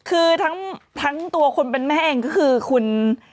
คือทั้งตัวคนเป็นแม่เองก็คือคุณ